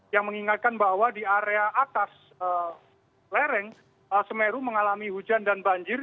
yang mengingatkan bahwa di area atas lereng semeru mengalami hujan dan banjir